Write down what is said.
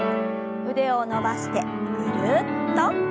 腕を伸ばしてぐるっと。